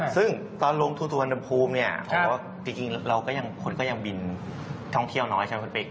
ซึ่งตอนลงทุนสุวรรณภูมิเนี่ยจริงคนก็ยังบินท้องเที่ยวน้อยใช่ไหมคุณปิ๊ก